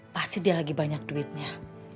pasti dia lagi banyak duitnya